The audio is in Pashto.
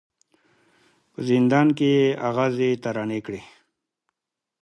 په زندان کي یې آغازي ترانې کړې